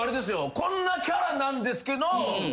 こんなキャラなんですけど。